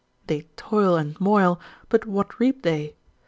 They toil and moil, but what reap they?